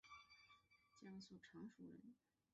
江苏常熟人。